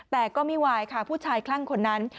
แต่ก็ไม่ไหวค่ะผู้ชายคลั่งคนนั้น